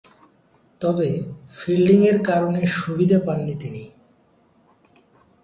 তবে, ফিল্ডিংয়ের কারণে সুবিধে পাননি তিনি।